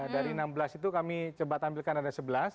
dari enam belas itu kami coba tampilkan ada sebelas